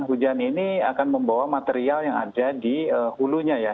hujan ini akan membawa material yang ada di hulunya ya